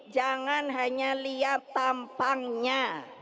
jangan hanya lihat tampangnya